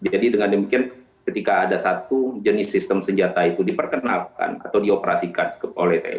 jadi dengan demikian ketika ada satu jenis sistem senjata itu diperkenalkan atau dioperasikan oleh tni